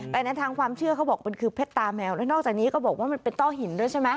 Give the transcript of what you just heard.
แต่ในทางความเชื่อเขาบอกมันคือเพชรตาแมวแล้วนอกจากนี้ก็บอกว่ามันเป็นต้อหินด้วยใช่ไหม